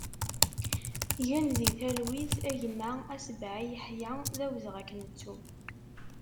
Gen di talwit a gma Asbaï Yaḥia, d awezɣi ad k-nettu!